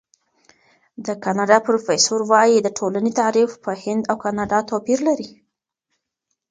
د کاناډا پروفیسور وايي، د ټولنې تعریف په هند او کاناډا توپیر لري.